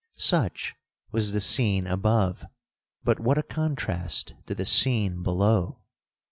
'Such was the scene above, but what a contrast to the scene below!